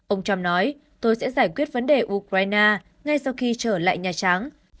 ông trump nói tôi sẽ giải quyết vấn đề ukraine ngay sau khi trở lại nhà trắng